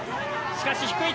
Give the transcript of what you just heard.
しかし低い！